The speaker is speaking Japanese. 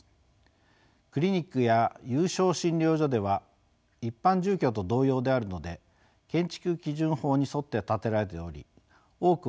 クリニックや有床診療所では一般住居と同様であるので建築基準法に沿って建てられており多くは自然換気方式です。